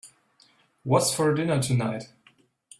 What's for dinner tonight?